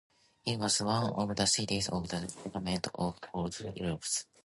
It was one of the cities of the government of old Epirus.